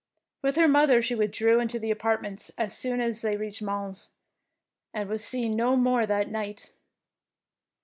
With her mother she withdrew into their apartments as soon as they reached Mons, and was seen no more that night.